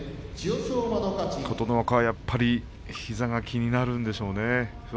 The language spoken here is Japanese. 琴ノ若は、やっぱり膝が気になるんでしょうね。